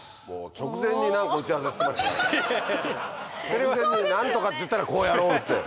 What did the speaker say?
直前に何とかって言ったらこうやろうって。